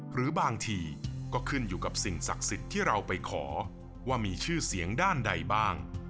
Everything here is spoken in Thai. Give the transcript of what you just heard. หรือบางทีก็ขึ้นอยู่กับสิ่งศักดิ์สิทธิ์ที่เราไปขอว่ามีชื่อเสียงด้านใดบ้าง